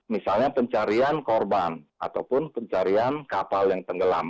misalnya pencarian korban ataupun pencarian kapal yang tenggelam